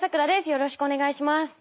よろしくお願いします。